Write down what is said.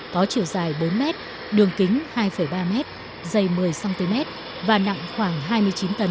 có chiều dài bốn m đường kính hai ba m dày một mươi cm và nặng khoảng hai mươi chín tấn